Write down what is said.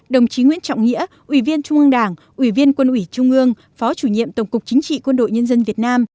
đồng chí nguyễn trọng nghĩa ủy viên trung ương đảng ủy viên quân ủy trung ương phó chủ nhiệm tổng cục chính trị quân đội nhân dân việt nam